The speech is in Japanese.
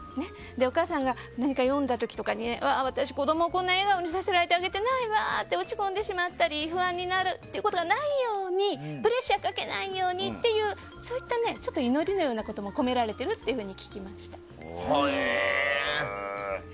お母さんが何か読んだ時とかに私、子供にこんな笑顔を見せられてないわと落ち込んでしまったり不安になることがないようにプレッシャーかけないようにという祈りのようなものも込められていると聞きました。